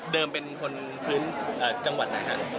เป็นคนพื้นจังหวัดนะครับ